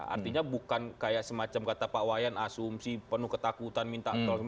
artinya bukan kayak semacam kata pak wayan asumsi penuh ketakutan minta tolong